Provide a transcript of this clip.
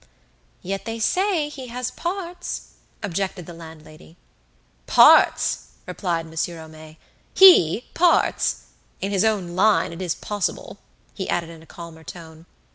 "Yet they say he has parts," objected the landlady. "Parts!" replied Monsieur Homais; "he, parts! In his own line it is possible," he added in a calmer tone.